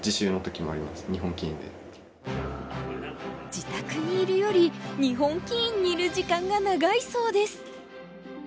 自宅にいるより日本棋院にいる時間が長いそうです。